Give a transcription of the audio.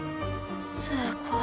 すごい。